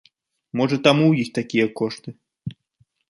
Можа, таму ў іх такія кошты.